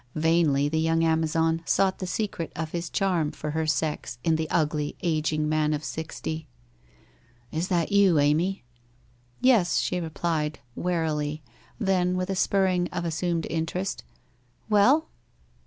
Vainly the young Amazon sought the secret of his charm for her sex in the ugly, ageing man of sixty. ' Is that you, Amy? '' Yes,' she replied, wearily, then with a spurring of assumed interest, ' Well